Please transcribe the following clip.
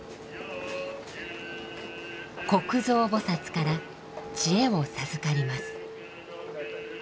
虚空蔵菩薩から知恵を授かります。